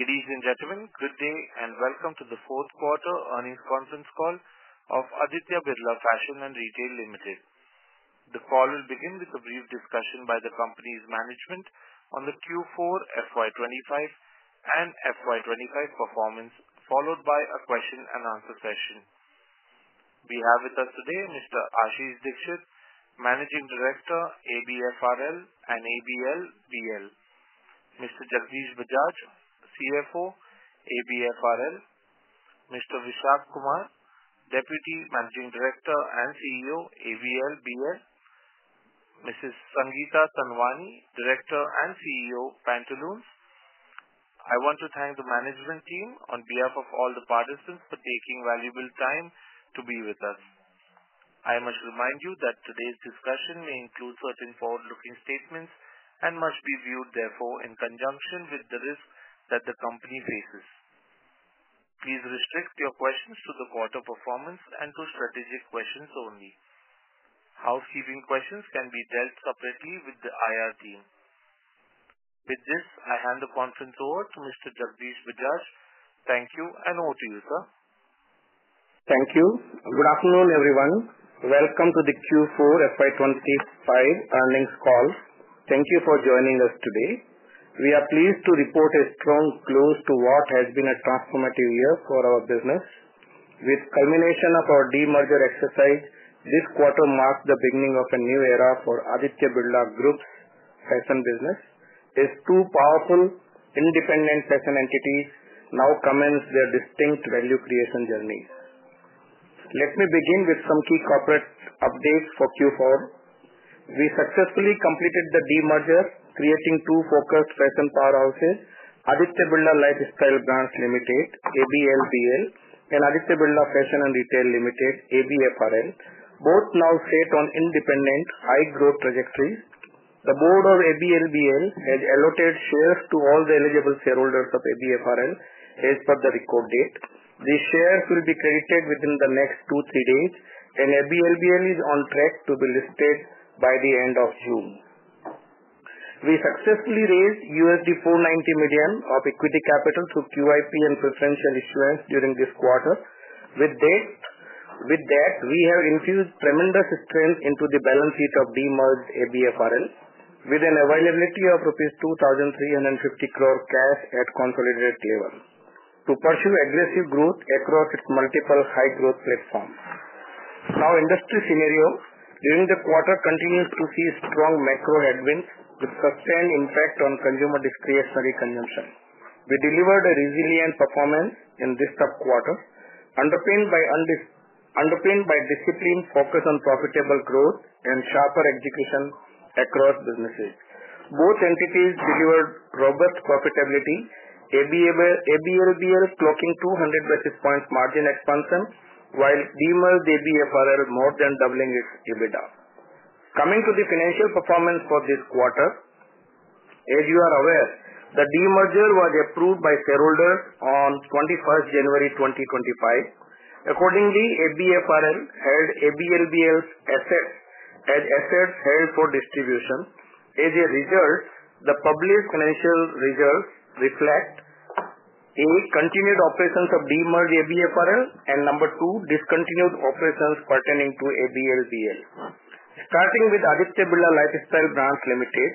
Ladies and gentlemen, good day and welcome to the fourth quarter earnings conference call of Aditya Birla Fashion and Retail Limited. The call will begin with a brief discussion by the company's management on the Q4 FY2025 and FY2025 performance, followed by a question-and-answer session. We have with us today Mr. Ashish Dikshit, Managing Director, ABFRL and ABLBL; Mr. Jagdish Bajaj, CFO, ABFRL; Mr. Vishak Kumar, Deputy Managing Director and CEO, ABLBL; Mrs. Sangeeta Tanwani, Director and CEO, Pantaloons. I want to thank the management team on behalf of all the participants for taking valuable time to be with us. I must remind you that today's discussion may include certain forward-looking statements and must be viewed, therefore, in conjunction with the risk that the company faces. Please restrict your questions to the quarter performance and to strategic questions only. Housekeeping questions can be dealt separately with the IR team. With this, I hand the conference over to Mr. Jagdish Bajaj. Thank you and over to you, sir. Thank you. Good afternoon, everyone. Welcome to the Q4 FY2025 earnings call. Thank you for joining us today. We are pleased to report a strong close to what has been a transformative year for our business. With the culmination of our demerger exercise, this quarter marks the beginning of a new era for Aditya Birla Fashion and Retail's fashion business. These two powerful, independent fashion entities now commence their distinct value creation journeys. Let me begin with some key corporate updates for Q4. We successfully completed the demerger, creating two focused fashion powerhouses: Aditya Birla Lifestyle Brands Limited, ABLBL, and Aditya Birla Fashion and Retail Limited, ABFRL. Both now set on independent, high-growth trajectories. The board of ABLBL has allotted shares to all the eligible shareholders of ABFRL as per the record date. These shares will be credited within the next two to three days, and ABLBL is on track to be listed by the end of June. We successfully raised $490 million of equity capital through QIP and preferential issuance during this quarter. With that, we have infused tremendous strength into the balance sheet of demerged ABFRL with an availability of rupees 2,350 crore cash at consolidated level to pursue aggressive growth across its multiple high-growth platforms. Now, industry scenario during the quarter continues to see strong macro headwinds with sustained impact on consumer discretionary consumption. We delivered a resilient performance in this subquarter, underpinned by discipline, focus on profitable growth, and sharper execution across businesses. Both entities delivered robust profitability, ABLBL clocking 200 basis points margin expansion, while demerged ABFRL more than doubling its EBITDA. Coming to the financial performance for this quarter, as you are aware, the demerger was approved by shareholders on 21st January 2025. Accordingly, ABFRL held ABLBL's assets as assets held for distribution. As a result, the published financial results reflect, A, continued operations of demerged ABFRL, and number two, discontinued operations pertaining to ABLBL. Starting with Aditya Birla Lifestyle Brands Limited,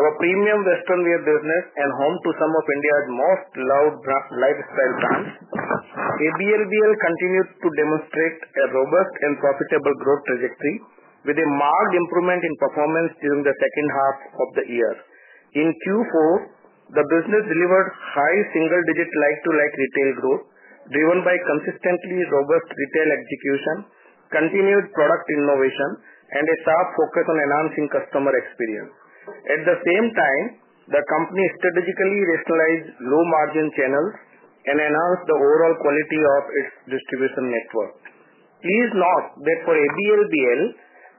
our premium western-wear business and home to some of India's most loved lifestyle brands, ABLBL continued to demonstrate a robust and profitable growth trajectory with a marked improvement in performance during the second half of the year. In Q4, the business delivered high single-digit like-to-like retail growth driven by consistently robust retail execution, continued product innovation, and a sharp focus on enhancing customer experience. At the same time, the company strategically rationalized low-margin channels and enhanced the overall quality of its distribution network. Please note that for ABLBL,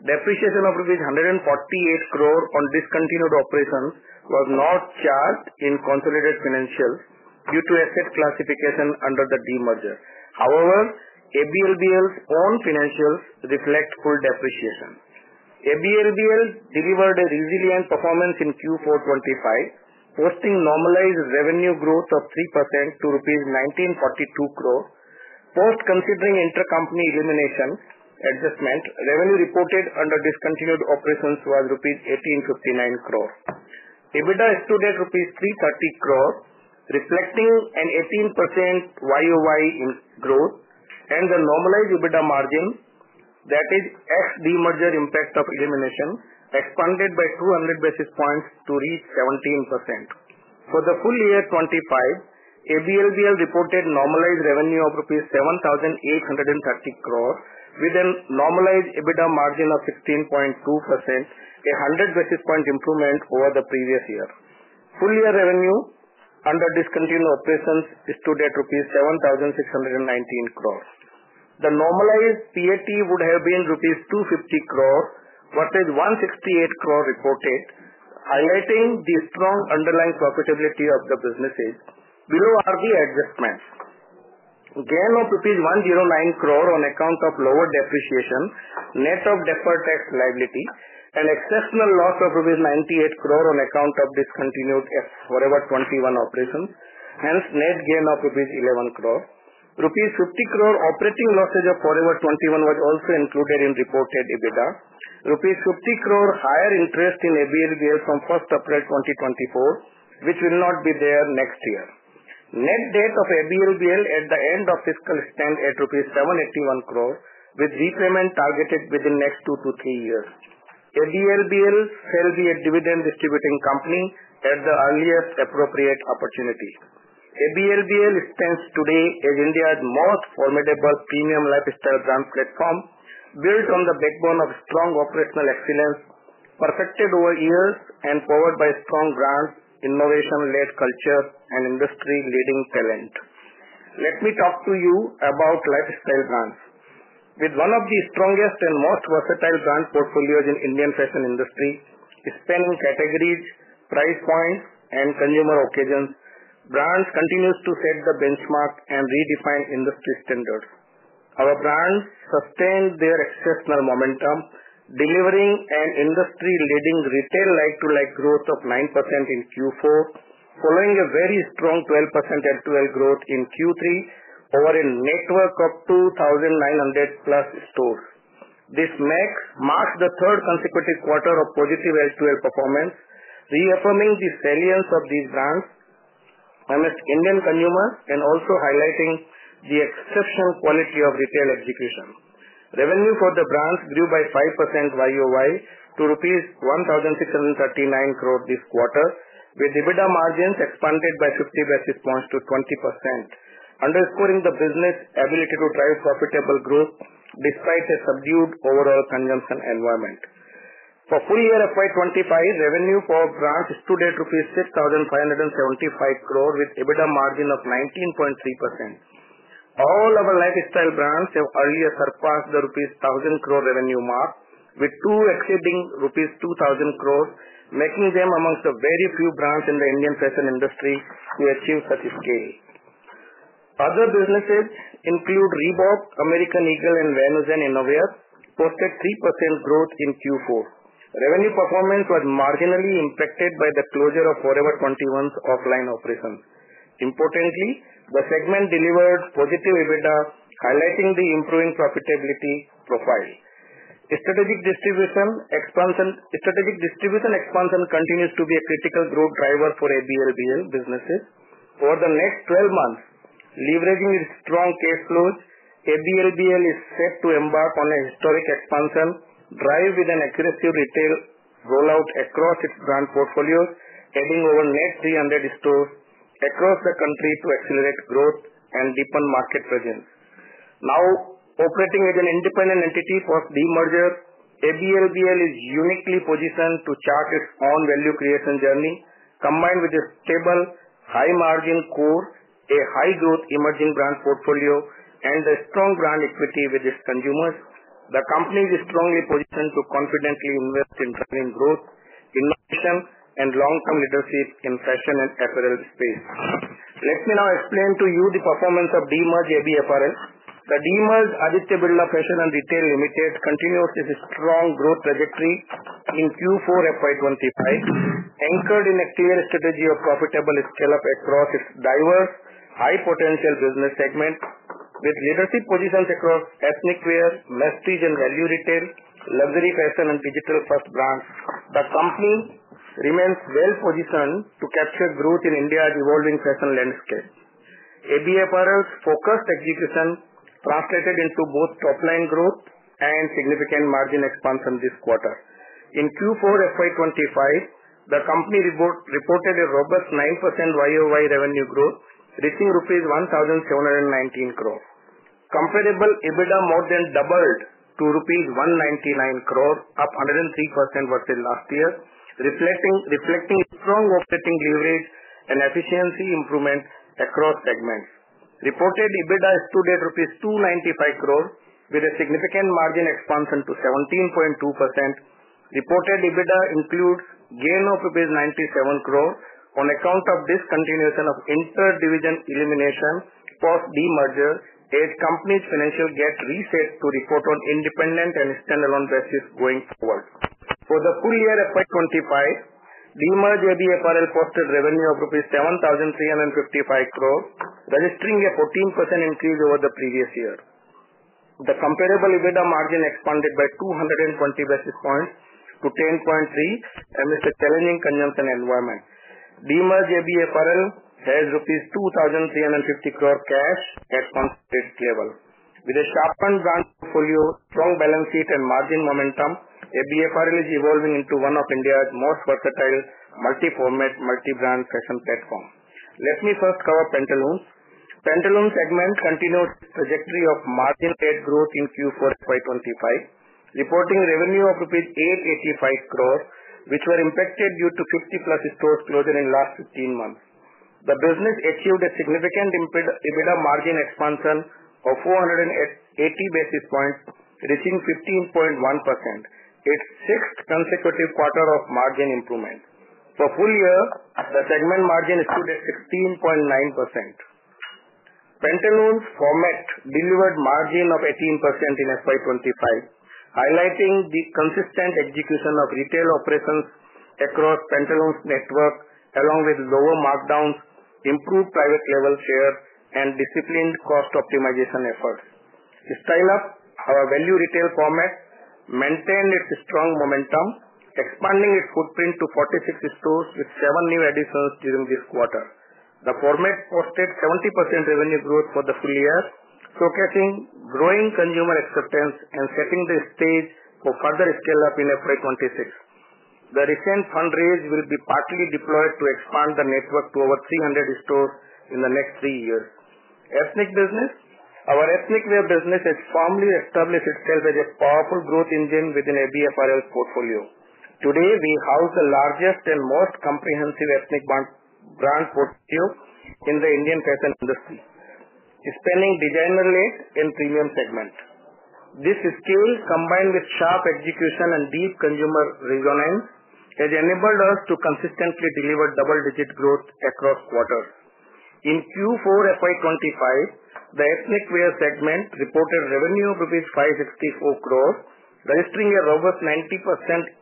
depreciation of rupees 148 crore on discontinued operations was not charged in consolidated financials due to asset classification under the demerger. However, ABLBL's own financials reflect full depreciation. ABLBL delivered a resilient performance in Q4 2025, posting normalized revenue growth of 3% to rupees 1,942 crore. Post-considering intercompany elimination adjustment, revenue reported under discontinued operations was rupees 1,859 crore. EBITDA extruded rupees 330 crore, reflecting an 18% YoY growth and the normalized EBITDA margin, that is, ex-demerger impact of elimination, expanded by 200 basis points to reach 17%. For the full year 2025, ABLBL reported normalized revenue of rupees 7,830 crore with a normalized EBITDA margin of 16.2%, a 100 basis point improvement over the previous year. Full year revenue under discontinued operations extruded rupees 7,619 crore. The normalized PAT would have been rupees 250 crore, but 168 crore reported, highlighting the strong underlying profitability of the businesses. Below are the adjustments. Gain of rupees 109 crore on account of lower depreciation, net of deferred tax liability, and exceptional loss of rupees 98 crore on account of discontinued Forever 21 operations. Hence, net gain of 11 crore rupees. Rupees 50 crore operating losses of Forever 21 was also included in reported EBITDA. Rupees 50 crore higher interest in ABLBL from 1 April 2024, which will not be there next year. Net debt of ABLBL at the end of fiscal stand at 781 crore rupees, with repayment targeted within next two to three years. ABLBL shall be a dividend-distributing company at the earliest appropriate opportunity. ABLBL stands today as India's most formidable premium lifestyle brand platform, built on the backbone of strong operational excellence, perfected over years and powered by strong brands, innovation-led culture, and industry-leading talent. Let me talk to you about lifestyle brands. With one of the strongest and most versatile brand portfolios in the Indian fashion industry, spanning categories, price points, and consumer occasions, brands continue to set the benchmark and redefine industry standards. Our brands sustained their exceptional momentum, delivering an industry-leading retail like-to-like growth of 9% in Q4, following a very strong 12% L2L growth in Q3 over a network of 2,900-plus stores. This marks the third consecutive quarter of positive L2L performance, reaffirming the salience of these brands amongst Indian consumers and also highlighting the exceptional quality of retail execution. Revenue for the brands grew by 5% YoY to rupees 1,639 crore this quarter, with EBITDA margins expanded by 50 basis points to 20%, underscoring the business ability to drive profitable growth despite a subdued overall consumption environment. For full year 2025, revenue for brands extruded rupees 6,575 crore with EBITDA margin of 19.3%. All our lifestyle brands have earlier surpassed the 1,000 crore revenue mark, with two exceeding 2,000 crore rupees, making them amongst the very few brands in the Indian fashion industry to achieve such a scale. Other businesses include Reebok, American Eagle, and Venus & Innovia, posted 3% growth in Q4. Revenue performance was marginally impacted by the closure of Forever 21's offline operations. Importantly, the segment delivered positive EBITDA, highlighting the improving profitability profile. Strategic distribution expansion continues to be a critical growth driver for ABLBL businesses. Over the next 12 months, leveraging its strong cash flows, ABLBL is set to embark on a historic expansion drive with an aggressive retail rollout across its brand portfolios, adding over net 300 stores across the country to accelerate growth and deepen market presence. Now, operating as an independent entity post-demerger, ABLBL is uniquely positioned to chart its own value creation journey, combined with a stable, high-margin core, a high-growth emerging brand portfolio, and a strong brand equity with its consumers. The company is strongly positioned to confidently invest in training, growth, innovation, and long-term leadership in the fashion and apparel space. Let me now explain to you the performance of demerged ABFRL. The demerged Aditya Birla Fashion and Retail Limited continues its strong growth trajectory in Q4 FY2025, anchored in a clear strategy of profitable scale-up across its diverse, high-potential business segment, with leadership positions across ethnic wear, mass-stage and value retail, luxury fashion, and digital-first brands. The company remains well-positioned to capture growth in India's evolving fashion landscape. ABFRL's focused execution translated into both top-line growth and significant margin expansion this quarter. In Q4 FY2025, the company reported a robust 9% YoY revenue growth, reaching INR 1,719 crore. Comparable EBITDA more than doubled to INR 199 crore, up 103% versus last year, reflecting strong operating leverage and efficiency improvement across segments. Reported EBITDA stood at rupees 295 crore, with a significant margin expansion to 17.2%. Reported EBITDA includes a gain of 97 crore rupees on account of discontinuation of inter-division elimination post-demerger, as the company's financial gap resets to report on an independent and standalone basis going forward. For the full year FY2025, demerged ABFRL posted revenue of rupees 7,355 crore, registering a 14% increase over the previous year. The comparable EBITDA margin expanded by 220 basis points to 10.3% amidst a challenging consumption environment. Demerged ABFRL has INR 2,350 crore cash at the consolidated level. With a sharpened brand portfolio, strong balance sheet, and margin momentum, ABFRL is evolving into one of India's most versatile, multi-format, multi-brand fashion platforms. Let me first cover Pantaloons. Pantaloons segment continued its trajectory of margin-led growth in Q4 FY2025, reporting revenue of rupees 885 crore, which were impacted due to 50-plus stores closed in the last 15 months. The business achieved a significant EBITDA margin expansion of 480 basis points, reaching 15.1%. It is the sixth consecutive quarter of margin improvement. For the full year, the segment margin extruded 16.9%. Pantaloons format delivered margin of 18% in FY2025, highlighting the consistent execution of retail operations across Pantaloons network, along with lower markdowns, improved private-label share, and disciplined cost optimization efforts. Style Up, our value retail format, maintained its strong momentum, expanding its footprint to 46 stores with seven new additions during this quarter. The format posted 70% revenue growth for the full year, showcasing growing consumer acceptance and setting the stage for further scale-up in FY2026. The recent fundraise will be partly deployed to expand the network to over 300 stores in the next three years. Ethnic business, our ethnic wear business has firmly established itself as a powerful growth engine within ABFRL's portfolio. Today, we house the largest and most comprehensive ethnic brand portfolio in the Indian fashion industry, spanning designer-led and premium segment. This scale, combined with sharp execution and deep consumer resonance, has enabled us to consistently deliver double-digit growth across quarters. In Q4 FY2025, the ethnic wear segment reported revenue of INR 564 crore, registering a robust 90%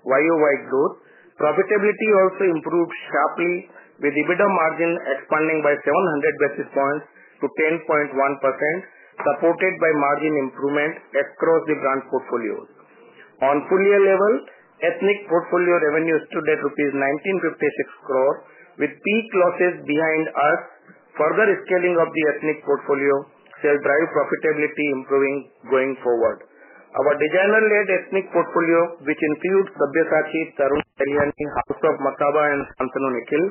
YoY growth. Profitability also improved sharply, with EBITDA margin expanding by 700 basis points to 10.1%, supported by margin improvement across the brand portfolios. On full year level, ethnic portfolio revenue extruded rupees 1,956 crore, with peak losses behind us. Further scaling of the ethnic portfolio shall drive profitability improving going forward. Our designer-led ethnic portfolio, which includes Sabyasachi, Tarun Tahiliani, House of Masaba, and Shantnu Nikhil,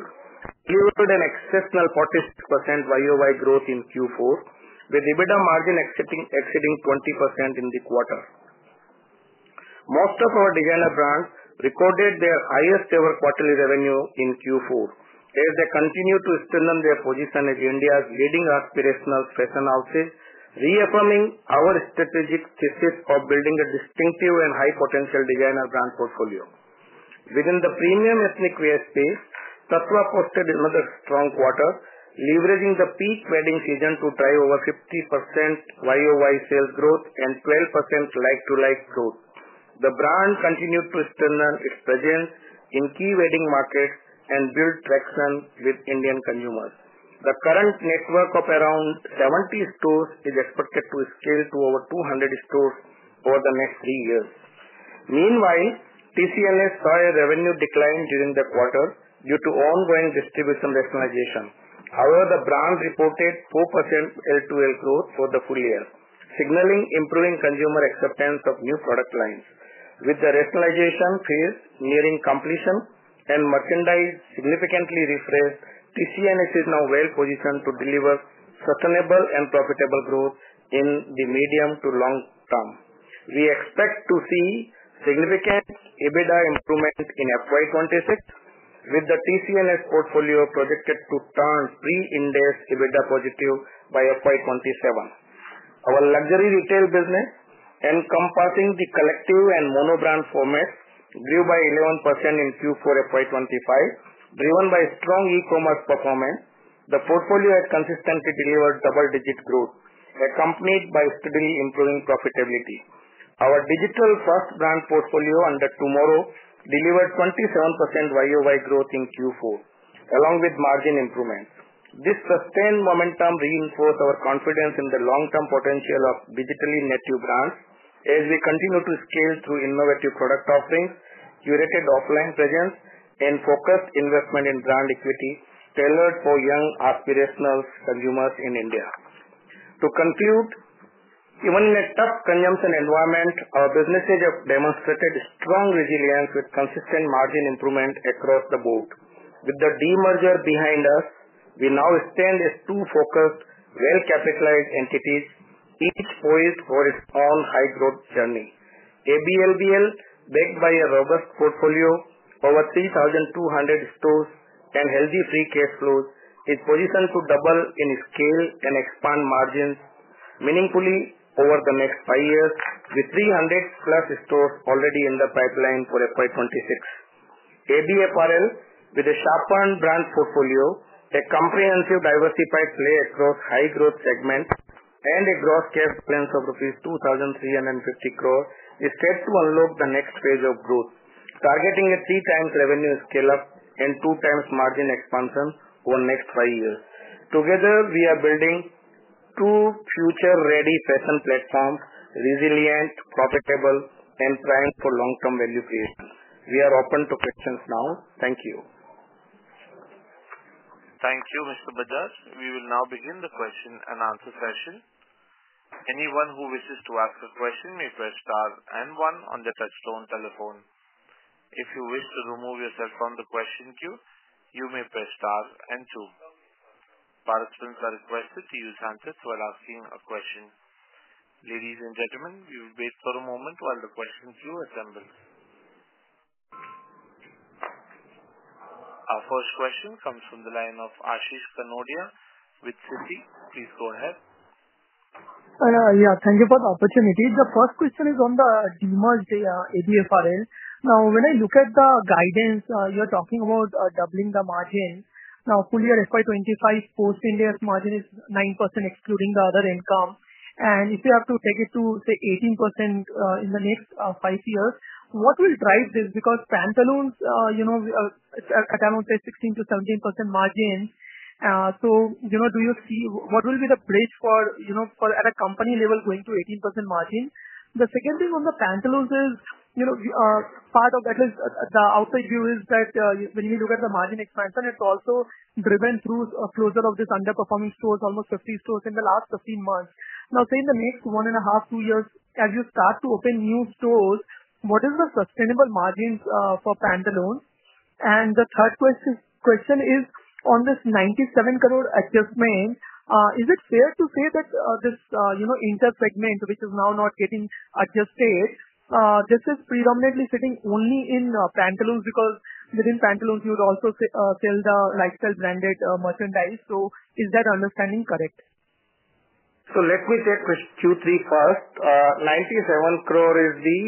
delivered an exceptional 46% YoY growth in Q4, with EBITDA margin exceeding 20% in the quarter. Most of our designer brands recorded their highest-ever quarterly revenue in Q4, as they continue to strengthen their position as India's leading aspirational fashion houses, reaffirming our strategic thesis of building a distinctive and high-potential designer brand portfolio. Within the premium ethnic wear space, Tattva posted another strong quarter, leveraging the peak wedding season to drive over 50% YoY sales growth and 12% like-to-like growth. The brand continued to strengthen its presence in key wedding markets and build traction with Indian consumers. The current network of around 70 stores is expected to scale to over 200 stores over the next three years. Meanwhile, TCNS saw a revenue decline during the quarter due to ongoing distribution rationalization. However, the brand reported 4% L2L growth for the full year, signaling improving consumer acceptance of new product lines. With the rationalization phase nearing completion and merchandise significantly refreshed, TCNS is now well-positioned to deliver sustainable and profitable growth in the medium to long term. We expect to see significant EBITDA improvement in FY 2026, with the TCNS portfolio projected to turn pre-Ind AS EBITDA positive by FY 2027. Our luxury retail business, encompassing The Collective and monobrand format, grew by 11% in Q4 FY 2025, driven by strong e-commerce performance. The portfolio has consistently delivered double-digit growth, accompanied by steadily improving profitability. Our digital-first brand portfolio under TMRW delivered 27% YoY growth in Q4, along with margin improvements. This sustained momentum reinforced our confidence in the long-term potential of digitally native brands, as we continue to scale through innovative product offerings, curated offline presence, and focused investment in brand equity tailored for young aspirational consumers in India. To conclude, even in a tough consumption environment, our businesses have demonstrated strong resilience with consistent margin improvement across the board. With the demerger behind us, we now stand as two focused, well-capitalized entities, each poised for its own high-growth journey. ABLBL, backed by a robust portfolio, over 3,200 stores, and healthy free cash flows, is positioned to double in scale and expand margins meaningfully over the next five years, with 300-plus stores already in the pipeline for FY2026. ABFRL, with a sharpened brand portfolio, a comprehensive diversified play across high-growth segments, and a gross cash balance of rupees 2,350 crore, is set to unlock the next phase of growth, targeting a three-times revenue scale-up and two-times margin expansion over the next five years. Together, we are building two future-ready fashion platforms, resilient, profitable, and primed for long-term value creation. We are open to questions now. Thank you. Thank you, Mr. Bajaj. We will now begin the question and answer session. Anyone who wishes to ask a question may press star and one on the touchstone telephone. If you wish to remove yourself from the question queue, you may press star and two. Participants are requested to use handsets while asking a question. Ladies and gentlemen, we will wait for a moment while the question queue assembles. Our first question comes from the line of Ashish Kanodia with Citi. Please go ahead. Yeah, thank you for the opportunity. The first question is on the demerged ABFRL. Now, when I look at the guidance, you're talking about doubling the margin. Now, full year FY2025, post-India margin is 9% excluding the other income. And if you have to take it to, say, 18% in the next five years, what will drive this? Because Pantaloons at around, say, 16%-17% margin. Do you see what will be the bridge for, at a company level, going to 18% margin? The second thing on the Pantaloons is part of that is the outside view is that when we look at the margin expansion, it's also driven through a closure of these underperforming stores, almost 50 stores in the last 15 months. Now, say in the next one and a half, two years, as you start to open new stores, what is the sustainable margins for Pantaloons? And the third question is, on this 97-crore adjustment, is it fair to say that this inter-segment, which is now not getting adjusted, this is predominantly sitting only in Pantaloons? Because within Pantaloons, you would also sell the lifestyle-branded merchandise. So is that understanding correct? Let me take question two, three first. 97 crore is the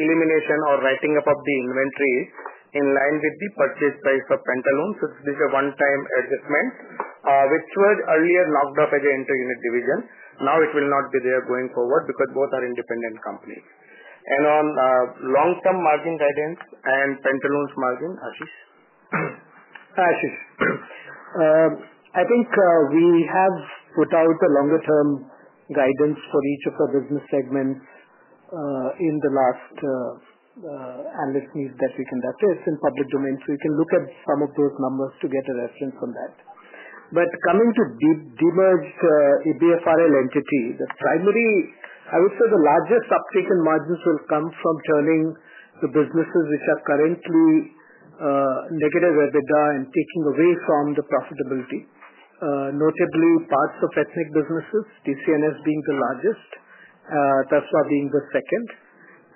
elimination or writing up of the inventory in line with the purchase price of Pantaloons. This is a one-time adjustment, which was earlier knocked off as an inter-unit division. Now, it will not be there going forward because both are independent companies. On long-term margin guidance and Pantaloons margin, Ashish? Ashish, I think we have put out a longer-term guidance for each of the business segments in the last analyst meeting that we conducted. It's in public domain, so you can look at some of those numbers to get a reference on that. Coming to demerged ABFRL entity, the primary, I would say the largest uptake in margins will come from turning the businesses which are currently negative EBITDA and taking away from the profitability, notably parts of ethnic businesses, TCNS being the largest, Tattva being the second,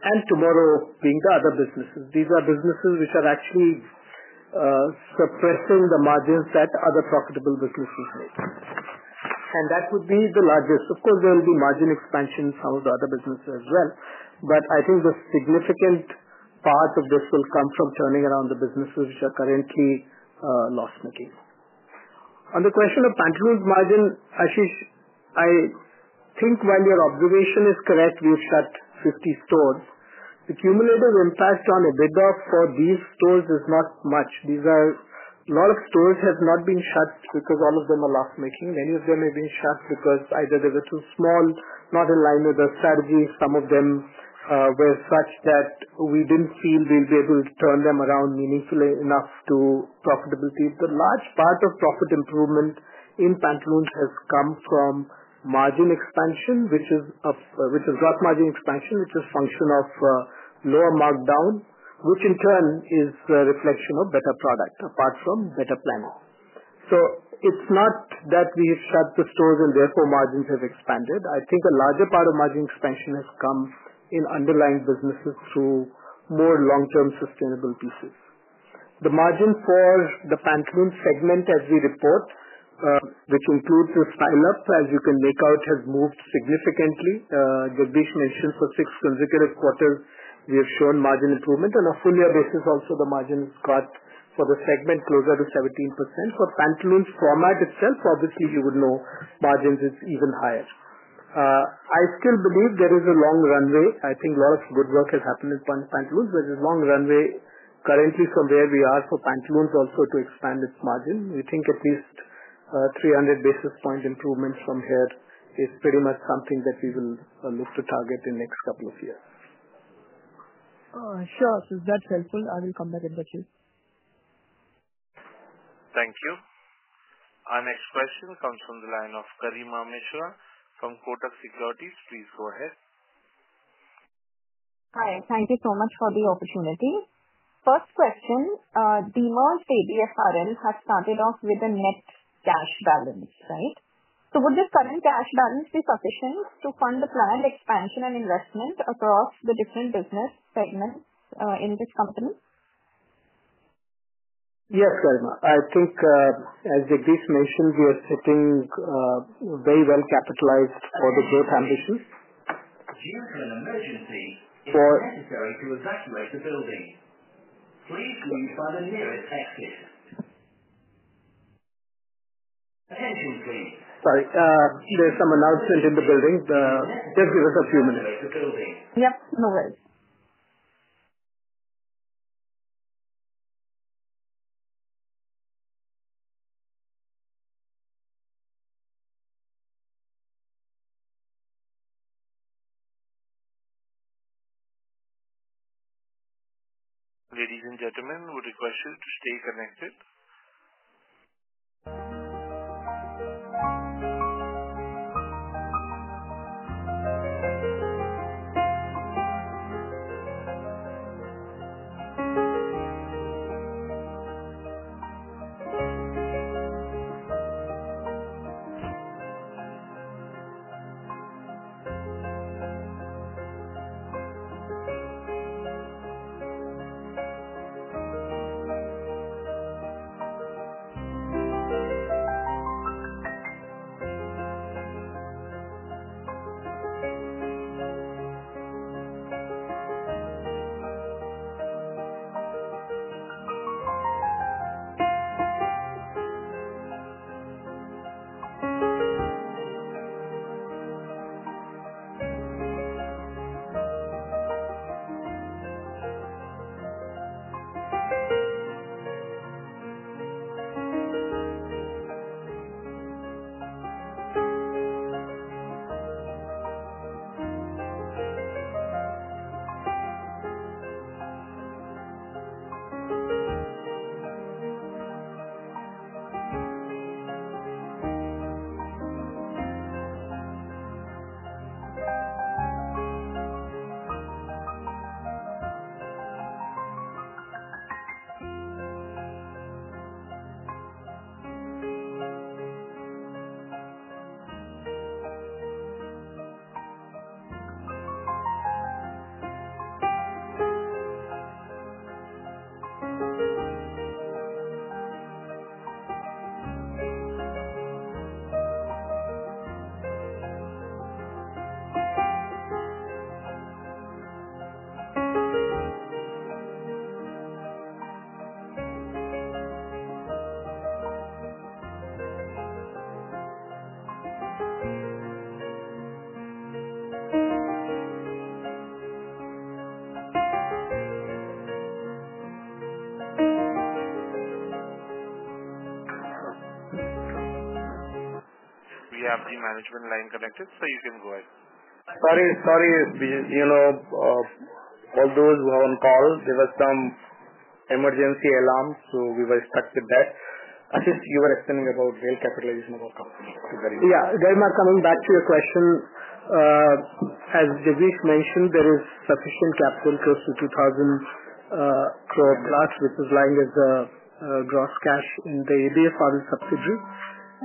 and TMRW being the other businesses. These are businesses which are actually suppressing the margins that other profitable businesses make. That would be the largest. Of course, there will be margin expansion from the other businesses as well. I think the significant part of this will come from turning around the businesses which are currently loss-making. On the question of Pantaloons' margin, Ashish, I think while your observation is correct, we've shut 50 stores. The cumulative impact on EBITDA for these stores is not much. A lot of stores have not been shut because all of them are loss-making. Many of them have been shut because either they were too small, not in line with our strategy. Some of them were such that we did not feel we would be able to turn them around meaningfully enough to profitability. The large part of profit improvement in Pantaloons has come from margin expansion, which is gross margin expansion, which is a function of lower markdown, which in turn is a reflection of better product apart from better planning. It is not that we have shut the stores and therefore margins have expanded. I think a larger part of margin expansion has come in underlying businesses through more long-term sustainable pieces. The margin for the Pantaloons segment, as we report, which includes the Style Up, as you can make out, has moved significantly. Jagdish mentioned for six consecutive quarters, we have shown margin improvement. On a full year basis, also, the margin has got for the segment closer to 17%. For Pantaloons format itself, obviously, you would know margins is even higher. I still believe there is a long runway. I think a lot of good work has happened in Pantaloons. There is a long runway currently from where we are for Pantaloons also to expand its margin. We think at least 300 basis points improvements from here is pretty much something that we will look to target in the next couple of years. Sure. If that's helpful, I will come back and touch you. Thank you. Our next question comes from the line of Garima Mishra from Kotak Securities. Please go ahead. Hi. Thank you so much for the opportunity. First question, demerged ABFRL has started off with a net cash balance, right? Would this current cash balance be sufficient to fund the planned expansion and investment across the different business segments in this company? Yes, Karima. I think, as Jagdish mentioned, we are sitting very well-capitalized for the growth ambition. Due to an emergency, it is necessary to evacuate the building. Please use one of the nearest exits. Attention, please. Sorry. There's some announcement in the building. Just give us a few minutes. Yep. No worries. Ladies and gentlemen, we request you to stay connected. We have the management line connected, so you can go ahead. Sorry, sorry. All those who are on call, there was some emergency alarm, so we were stuck with that. Ashish, you were explaining about well-capitalization of our company. Yeah. Jagdish, coming back to your question, as Jagdish mentioned, there is sufficient capital close to 2,000 crore plus, which is lying as gross cash in the ABFRL subsidy.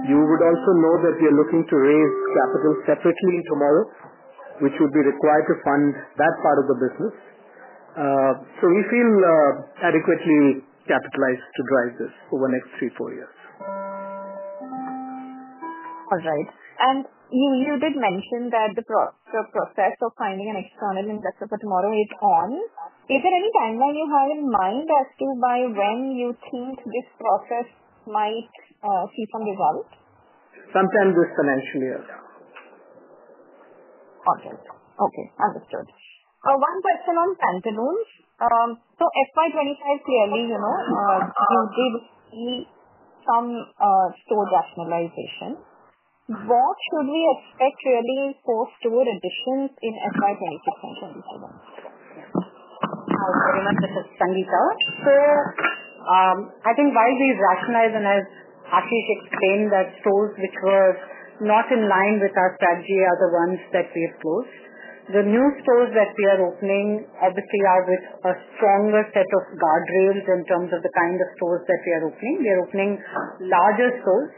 You would also know that we are looking to raise capital separately in TMRW, which would be required to fund that part of the business. We feel adequately capitalized to drive this over the next three-four years. All right. You did mention that the process of finding an external investor for TMRW is on. Is there any timeline you have in mind as to by when you think this process might see some result? Sometime this financial year. Okay. Okay. Understood. One question on Pantaloons. FY25, clearly, you did see some store rationalization. What should we expect really for store additions in FY26 and FY27? I remember this, Sangeeta. I think while we rationalize, and as Ashish explained, that stores which were not in line with our strategy are the ones that we have closed. The new stores that we are opening obviously are with a stronger set of guardrails in terms of the kind of stores that we are opening. We are opening larger stores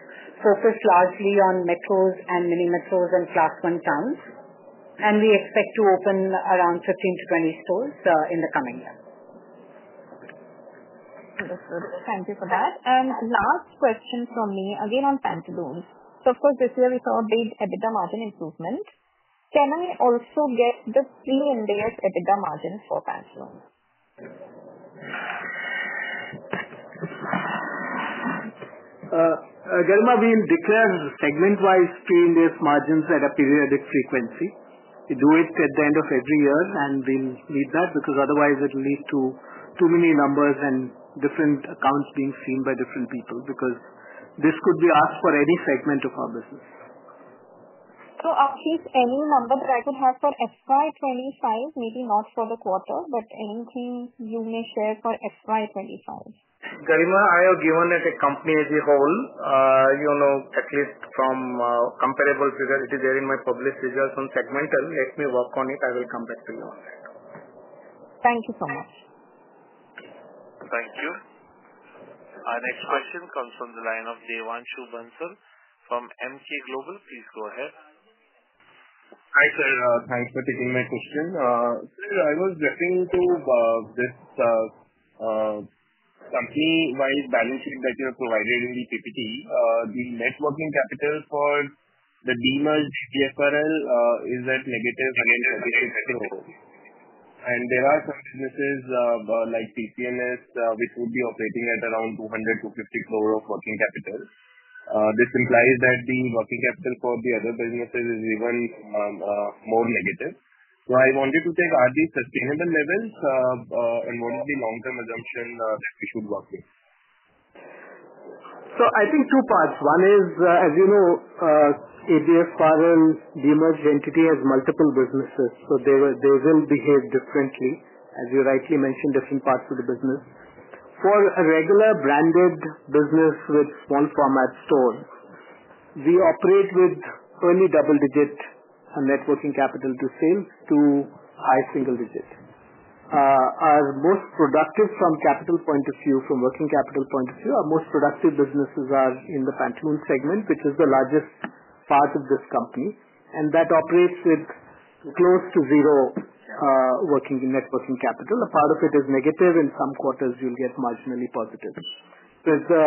focused largely on metros and mini-metros and class one towns. We expect to open around 15-20 stores in the coming year. Thank you for that. Last question from me, again on Pantaloons. Of course, this year we saw a big EBITDA margin improvement. Can I also get the pre-index EBITDA margin for Pantaloons? Karima, we'll declare segment-wise pre-index margins at a periodic frequency. We do it at the end of every year, and we'll need that because otherwise it'll lead to too many numbers and different accounts being seen by different people because this could be asked for any segment of our business. So Ashish, any number that I could have for FY2025? Maybe not for the quarter, but anything you may share for FY2025? Karima, I have given it at a company as a whole, at least from comparable figures. It is there in my published figures on segmental. Let me work on it. I will come back to you on that. Thank you so much. Thank you. Our next question comes from the line of Devanshu Bansal from Emkay Global. Please go ahead. Hi sir. Thanks for taking my question. Sir, I was referring to this company-wide balance sheet that you have provided in the PPT. The net working capital for the demerged ABFRL is at negative INR 36 crore. There are some businesses like TCNS which would be operating at around 200-250 crore of working capital. This implies that the working capital for the other businesses is even more negative. I wanted to take all these sustainable levels and what is the long-term assumption that we should work with? I think two parts. One is, as you know, ABFRL demerged entity has multiple businesses, so they will behave differently, as you rightly mentioned, different parts of the business. For a regular branded business with small format stores, we operate with early double-digit net working capital to sales to high single digit. Our most productive from capital point of view, from working capital point of view, our most productive businesses are in the Pantaloons segment, which is the largest part of this company. That operates with close to zero net working capital. A part of it is negative. In some quarters, you'll get marginally positive. It is the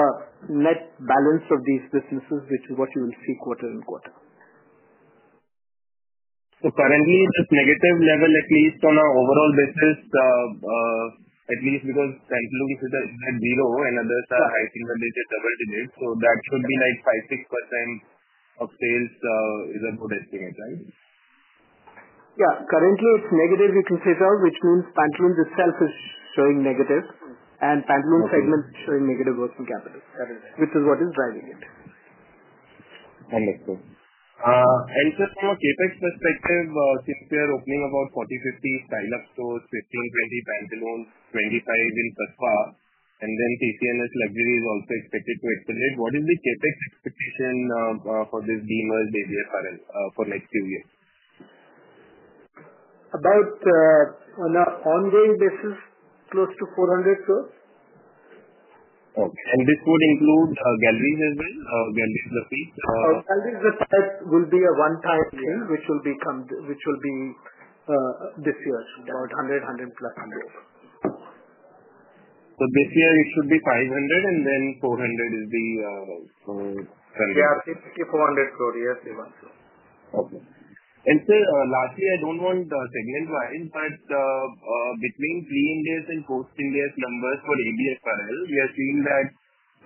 net balance of these businesses, which is what you will see quarter and quarter. Currently, it is negative level at least on an overall basis, at least because Pantaloons is at zero and others are high single digit, double digit. That should be like 5-6% of sales is a good estimate, right? Yeah. Currently, it's negative we can figure out, which means Pantaloons itself is showing negative and Pantaloons segment is showing negative working capital, which is what is driving it. Understood. Sir, from a CapEx perspective, since we are opening about 40-50 Style Up stores, 15-20 Pantaloons, 25 in Tattva, and then TCNS Luxury is also expected to accelerate, what is the CapEx expectation for this demerged ABFRL for the next few years? About, on an ongoing basis, close to 400 crore. Okay. This would include Galeries as well? Galeries is the fit. Galeries is the fit, will be a one-time thing which will be this year, about 100-100 plus crore. This year it should be 500 crore and then 400 crore is the... Yeah, 400 crore. Yes, Devanshu. Okay. Sir, lastly, I do not want segment-wise, but between pre-index and post-index numbers for ABFRL, we are seeing that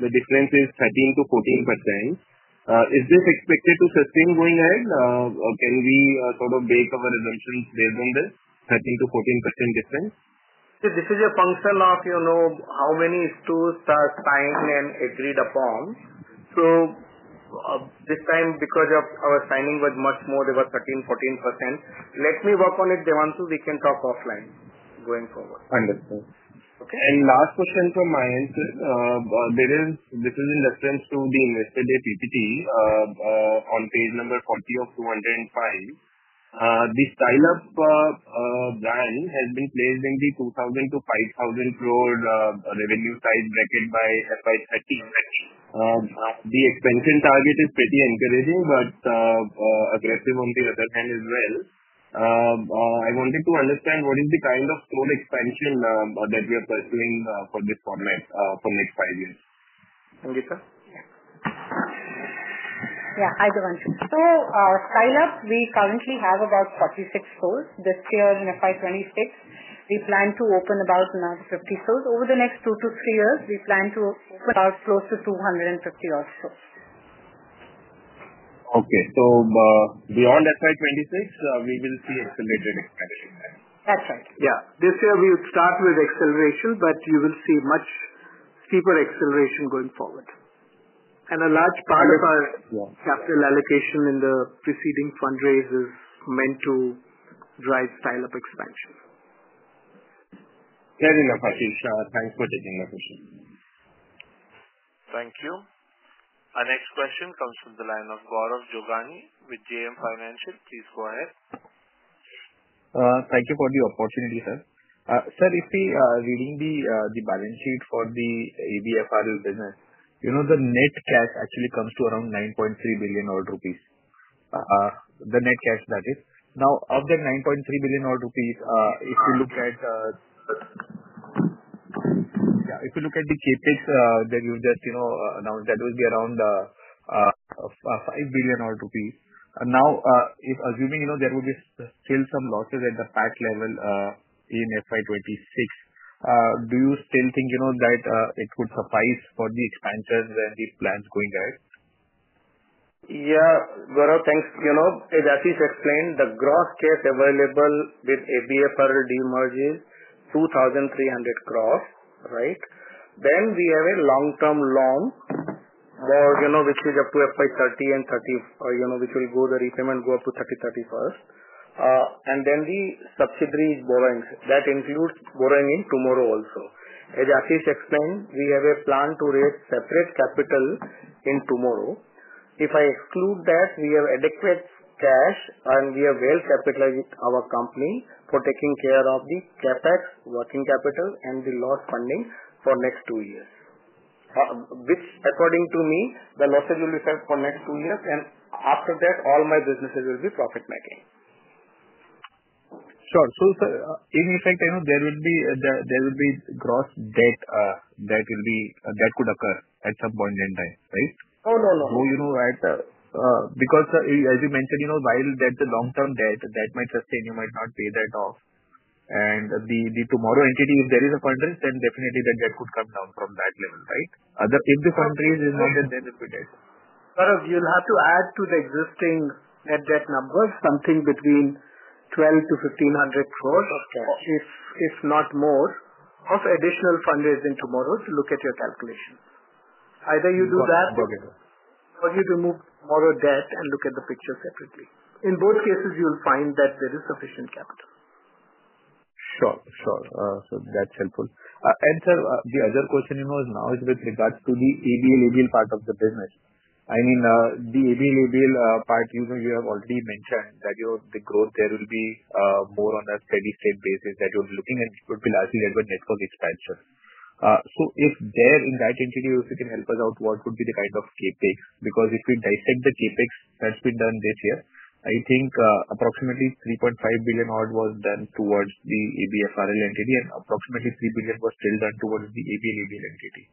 the difference is 13-14%. Is this expected to sustain going ahead? Can we sort of bake our assumptions based on this 13-14% difference? This is a function of how many stores are signed and agreed upon. This time, because our signing was much more, they were 13-14%. Let me work on it, Devanshu. We can talk offline going forward. Understood. Last question from my end, sir, this is in reference to the invested day PPT on page number 40 of 205. The Style Up brand has been placed in the 2,000-5,000 crore revenue size bracket by FY 2031. The expansion target is pretty encouraging but aggressive on the other hand as well. I wanted to understand what is the kind of store expansion that we are pursuing for this format for the next five years? Sangeeta? Yeah. Yeah. Hi, Devanshu. Our Style Up, we currently have about 46 stores. This year in FY 2026, we plan to open about another 50 stores. Over the next two to three years, we plan to open about close to 250 or so. Okay. Beyond FY2026, we will see accelerated expansion. That's right. Yeah. This year we will start with acceleration, but you will see much steeper acceleration going forward. A large part of our capital allocation in the preceding fundraise is meant to drive Style Up expansion. Fair enough, Ashish. Thanks for taking the question. Thank you. Our next question comes from the line of Gaurav Jogani with JM Financial. Please go ahead. Thank you for the opportunity, sir. Sir, if we are reading the balance sheet for the ABFRL business, the net cash actually comes to around 9.3 billion rupees. The net cash, that is. Now, of that 9.3 billion rupees, if we look at... Yeah. If we look at the CapEx that you just announced, that will be around 5 billion rupees. Now, assuming there will be still some losses at the PAT level in FY2026, do you still think that it would suffice for the expansions and the plans going ahead? Yeah. Gaurav, thanks. As Ashish explained, the gross cash available with ABFRL demerged is 2,300 crore, right? Then we have a long-term loan, which is up to FY2030, and which will go, the repayment go up to 2030-2031. And then the subsidiary is borrowing. That includes borrowing in TMRW also. As Ashish explained, we have a plan to raise separate capital in TMRW. If I exclude that, we have adequate cash and we have well-capitalized our company for taking care of the CapEx, working capital, and the loss funding for next two years, which, according to me, the losses will be for next two years. After that, all my businesses will be profit-making. Sure. Sir, in effect, there will be gross debt that could occur at some point in time, right? Oh, no, no. You know what? Because, as you mentioned, while that's a long-term debt, that might sustain. You might not pay that off. The TMRW entity, if there is a fundraise, then definitely that debt could come down from that level, right? If the fundraise is not there, then it will be debt. Gaurav, you'll have to add to the existing net debt numbers something between 1,200 crore-1,500 crore of cash, if not more, of additional fundraising TMRW to look at your calculation. Either you do that or you remove TMRW debt and look at the picture separately. In both cases, you'll find that there is sufficient capital. Sure. Sure. That's helpful. Sir, the other question now is with regards to the ABLBL part of the business. I mean, the ABLBL part, you have already mentioned that the growth there will be more on a steady-state basis that you're looking and would be largely led by network expansion. If there, in that entity, if you can help us out, what would be the kind of CapEx? Because if we dissect the CapEx that's been done this year, I think approximately 3.5 billion odd was done towards the ABFRL entity and approximately 3 billion was still done towards the ABLBL entity.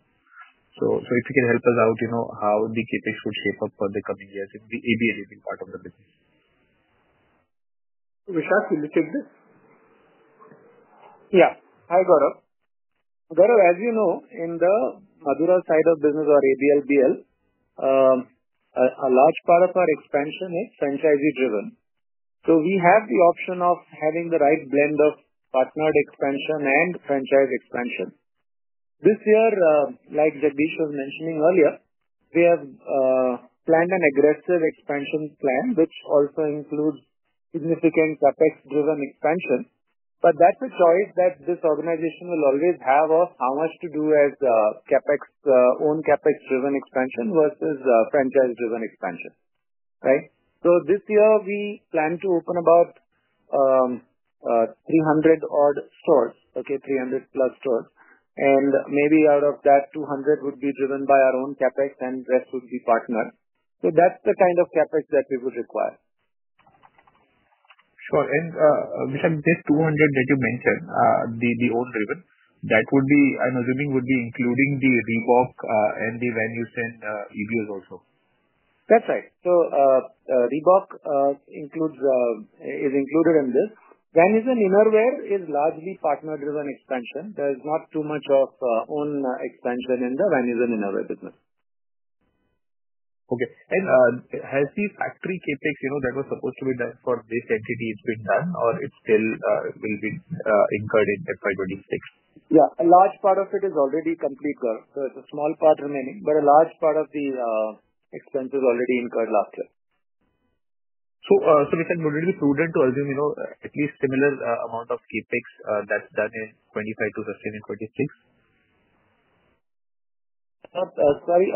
If you can help us out, how the CapEx would shape up for the coming years in the ABLBL part of the business? Vishak, will you take this? Yeah. Hi, Gaurav. Gaurav, as you know, in the Madurai side of business or ABLBL, a large part of our expansion is franchisee-driven. We have the option of having the right blend of partnered expansion and franchise expansion. This year, like Jagdish was mentioning earlier, we have planned an aggressive expansion plan, which also includes significant CapEx-driven expansion. That is a choice that this organization will always have of how much to do as CapEx, own CapEx-driven expansion versus franchise-driven expansion, right? This year, we plan to open about 300 odd stores, 300 plus stores. Maybe out of that, 200 would be driven by our own CapEx and the rest would be partners. That is the kind of CapEx that we would require. Sure. Vishak, this 200 that you mentioned, the own-driven, that would be, I am assuming, including the Reebok and the Van Heusen EVOs also? That is right. Reebok is included in this. Van Heusen Innerwear is largely partner-driven expansion. There is not too much of own expansion in the Van Heusen Innerwear business. Okay. Has the factory CapEx that was supposed to be done for this entity been done or it still will be incurred in financial year 2026? Yeah. A large part of it is already complete, sir. It's a small part remaining, but a large part of the expense is already incurred last year. Vishak, would it be prudent to assume at least a similar amount of CapEx is done in 2025 to 2026? Sorry.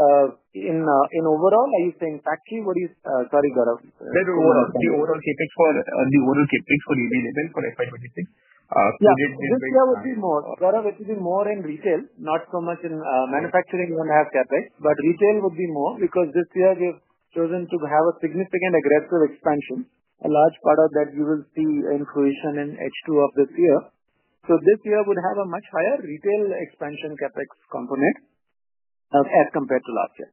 In overall, are you saying factory? What is... Sorry, Gaurav. The overall CapEx for the overall CapEx for ABL, ABL for fiscal year 2026? This year would be more. Gaurav, it will be more in retail, not so much in manufacturing and heavy CapEx. Retail would be more because this year we've chosen to have a significant aggressive expansion. A large part of that we will see in Q2 and the second half of this year. This year would have a much higher retail expansion CapEx component as compared to last year.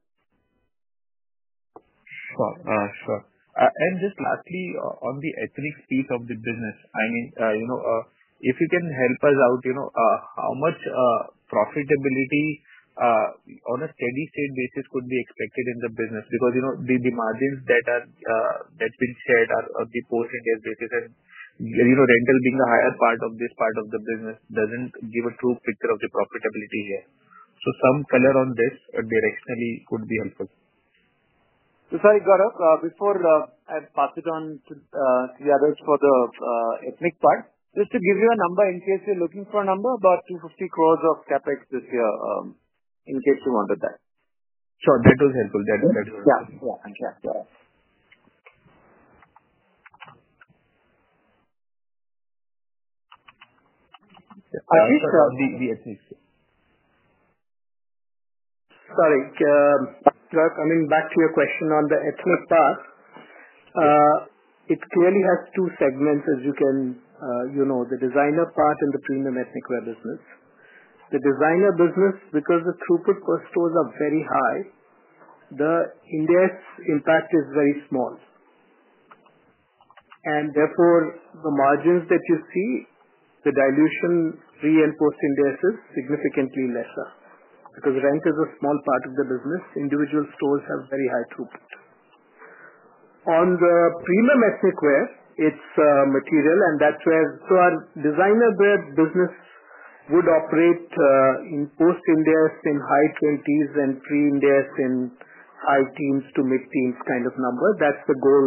Sure. Sure. Just lastly, on the ethnic piece of the business, I mean, if you can help us out, how much profitability on a steady-state basis could be expected in the business? Because the margins that have been shared are on the post-index basis and rental being a higher part of this part of the business does not give a true picture of the profitability here. Some color on this directionally would be helpful. Sorry, Gaurav, before I pass it on to the others for the ethnic part, just to give you a number in case you are looking for a number, about 2.5 billion of CapEx this year in case you wanted that. Sure. That was helpful. That was helpful. Yeah. Thank you. Ashish, the ethnics. Sorry. Sure. Coming back to your question on the ethnic part, it clearly has two segments as you can know, the designer part and the premium ethnic wear business. The designer business, because the throughput per store is very high, the index impact is very small. Therefore, the margins that you see, the dilution pre- and post-index is significantly lesser because rent is a small part of the business. Individual stores have very high throughput. On the premium ethnic wear, it is material, and that is where our designer business would operate in post-index in high 20s and pre-index in high teens to mid-teens kind of number. That is the goal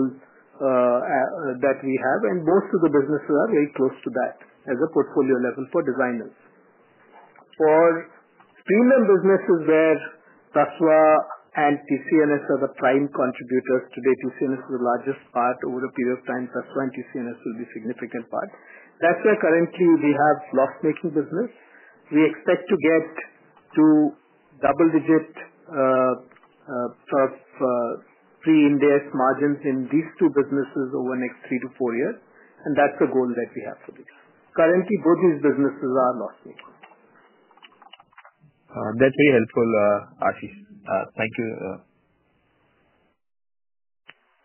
that we have. Most of the businesses are very close to that as a portfolio level for designers. For premium businesses where Tattva and TCNS are the prime contributors today, TCNS is the largest part over a period of time. Tattva and TCNS will be a significant part. That's where currently we have loss-making business. We expect to get to double-digit sort of pre-index margins in these two businesses over the next three to four years. That's the goal that we have for this. Currently, both these businesses are loss-making. That's very helpful, Ashish. Thank you.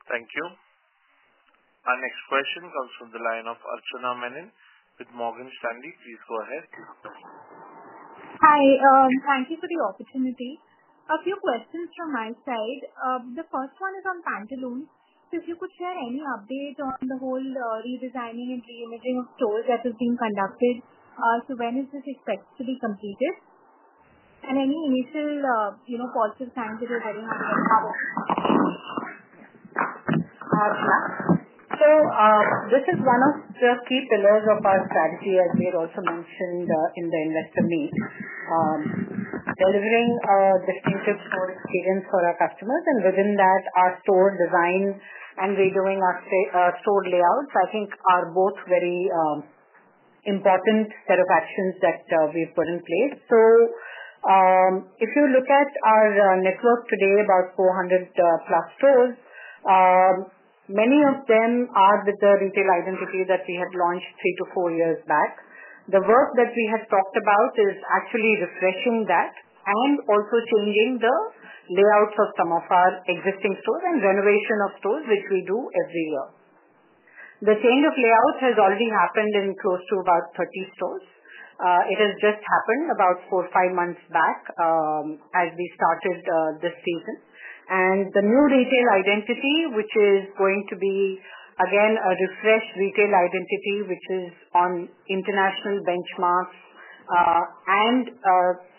Thank you. Our next question comes from the line of Archana Menon with Morgan Stanley. Please go ahead. Hi. Thank you for the opportunity. A few questions from my side. The first one is on Pantaloons. If you could share any update on the whole redesigning and reimagining of stores that is being conducted. When is this expected to be completed? Any initial positive signs that you're very happy about? This is one of the key pillars of our strategy, as we had also mentioned in the investor meet, delivering a distinctive store experience for our customers. Within that, our store design and redoing our store layouts, I think, are both very important set of actions that we've put in place. If you look at our network today, about 400 plus stores, many of them are with the retail identity that we had launched three to four years back. The work that we have talked about is actually refreshing that and also changing the layouts of some of our existing stores and renovation of stores, which we do every year. The change of layout has already happened in close to about 30 stores. It has just happened about four or five months back as we started this season. The new retail identity, which is going to be, again, a refreshed retail identity, which is on international benchmarks and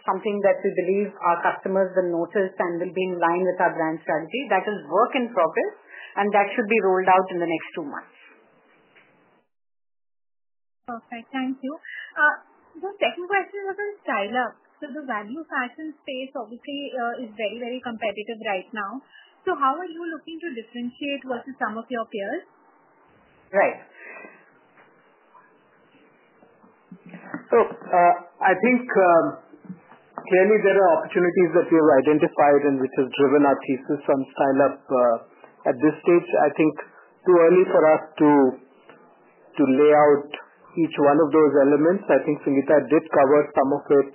something that we believe our customers will notice and will be in line with our brand strategy, that is work in progress. That should be rolled out in the next two months. Perfect. Thank you. The second question was on Style Up. The value fashion space obviously is very, very competitive right now. How are you looking to differentiate versus some of your peers? Right. I think clearly there are opportunities that we have identified and which have driven our thesis on Style Up at this stage. I think it is too early for us to lay out each one of those elements. I think Sangeeta did cover some of it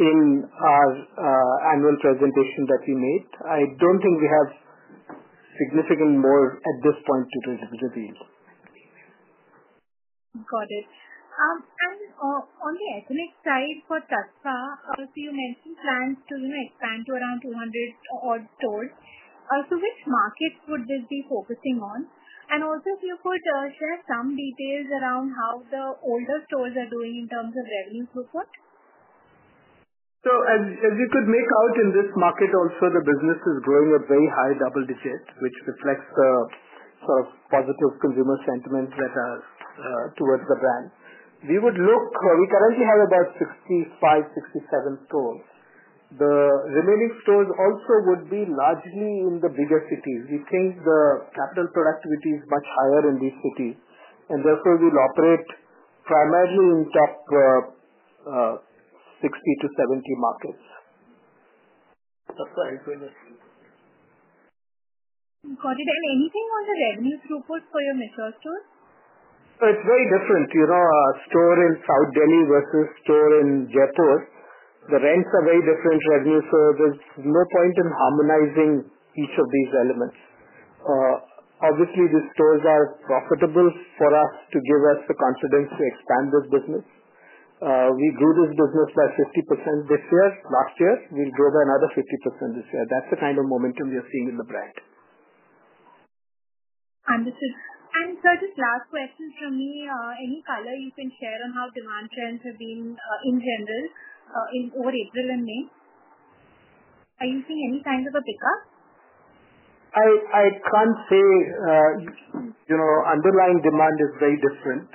in our annual presentation that we made. I don't think we have significant more at this point to deal. Got it. On the ethnic side for Tattva, you mentioned plans to expand to around 200 odd stores. Which markets would this be focusing on? Also, if you could share some details around how the older stores are doing in terms of revenue throughput? As you could make out, in this market also the business is growing at very high double-digits, which reflects the sort of positive consumer sentiments that are towards the brand. We currently have about 65, 67 stores. The remaining stores also would be largely in the bigger cities. We think the capital productivity is much higher in these cities. Therefore, we'll operate primarily in top 60-70 markets. That's right. Got it. Anything on the revenue throughput for your mature stores? It's very different. A store in South Delhi versus a store in Jaipur, the rents are very different revenue service. No point in harmonizing each of these elements. Obviously, these stores are profitable for us to give us the confidence to expand this business. We grew this business by 50% this year. Last year, we grew by another 50% this year. That's the kind of momentum we are seeing in the brand. Understood. Sir, just last question from me. Any color you can share on how demand trends have been in general over April and May? Are you seeing any signs of a pickup? I can't say. Underlying demand is very different.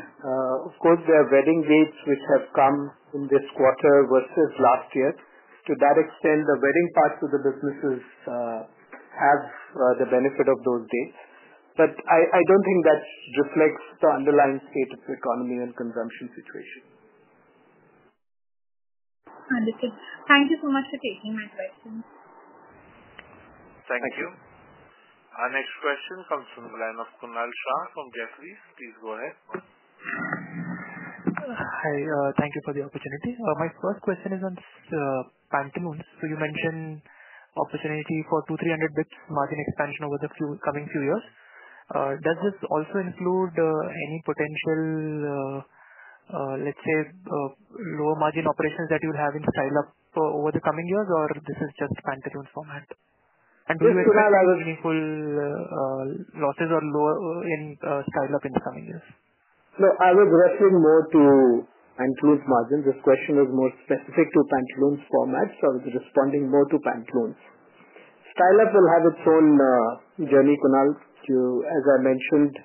Of course, there are wedding dates which have come in this quarter versus last year. To that extent, the wedding parts of the businesses have the benefit of those dates. I do not think that reflects the underlying state of the economy and consumption situation. Understood. Thank you so much for taking my questions. Thank you. Thank you. Our next question comes from the line of Kunal Shah from Jefferies. Please go ahead. Hi. Thank you for the opportunity. My first question is on Pantaloons. You mentioned opportunity for 2,300 basis points margin expansion over the coming few years. Does this also include any potential, let's say, lower margin operations that you will have in Style Up over the coming years, or is this just Pantaloons format? Do you expect meaningful losses for Style Up in the coming years? No, I was referring more to Pantaloons margins. This question was more specific to Pantaloons formats. I was responding more to Pantaloons. Style Up will have its own journey, Kunal. As I mentioned,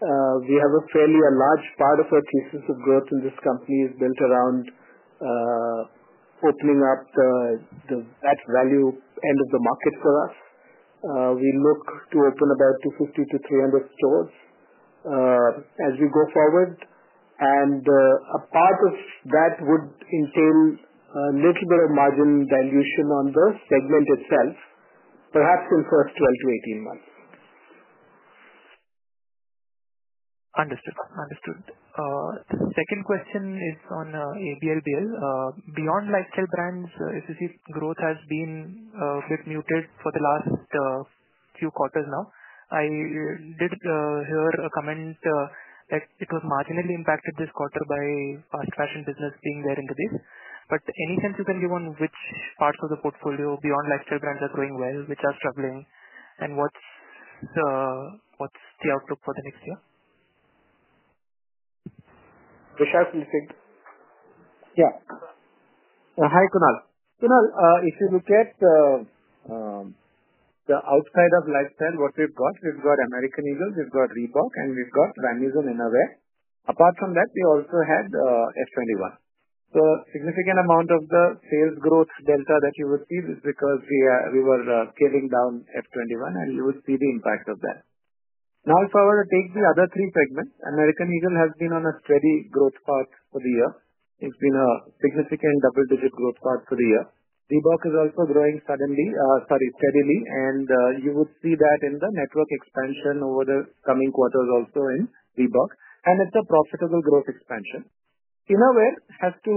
we have a fairly large part of our thesis of growth in this company is built around opening up that value end of the market for us. We look to open about 250-300 stores as we go forward. A part of that would entail a little bit of margin dilution on the segment itself, perhaps in the first 12-18 months. Understood. Understood. The second question is on ABLBL. Beyond lifestyle brands, as you see, growth has been a bit muted for the last few quarters now. I did hear a comment that it was marginally impacted this quarter by fast fashion business being there in the base. Any sense you can give on which parts of the portfolio beyond lifestyle brands are growing well, which are struggling, and what is the outlook for the next year? Vishak, will you speak? Yeah. Hi, Kunal. Kunal, if you look at the outside of lifestyle, what we've got, we've got American Eagle, we've got Reebok, and we've got Van Heusen Innerwear. Apart from that, we also had F21. A significant amount of the sales growth delta that you would see is because we were scaling down F21, and you would see the impact of that. Now, if I were to take the other three segments, American Eagle has been on a steady growth path for the year. It's been a significant double-digit growth path for the year. Reebok is also growing steadily, and you would see that in the network expansion over the coming quarters also in Reebok. It's a profitable growth expansion. Innerwear has to,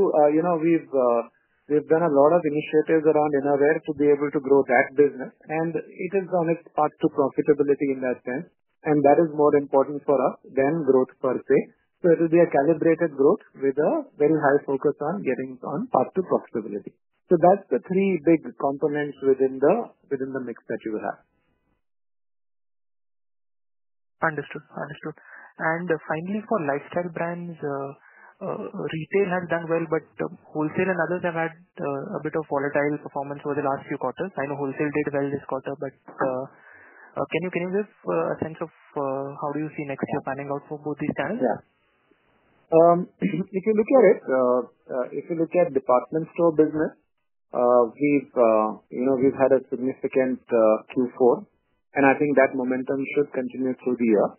we've done a lot of initiatives around Innerwear to be able to grow that business. It is on its path to profitability in that sense. That is more important for us than growth per se. It will be a calibrated growth with a very high focus on getting on path to profitability. That is the three big components within the mix that you will have. Understood. Understood. Finally, for lifestyle brands, retail has done well, but wholesale and others have had a bit of volatile performance over the last few quarters. I know wholesale did well this quarter, but can you give a sense of how you see next year panning out for both these channels? Yeah. If you look at it, if you look at department store business, we have had a significant Q4. I think that momentum should continue through the year.